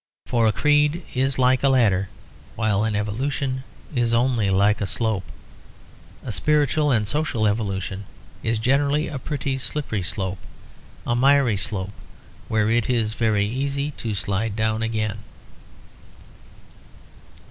For a creed is like a ladder, while an evolution is only like a slope. A spiritual and social evolution is generally a pretty slippery slope; a miry slope where it is very easy to slide down again.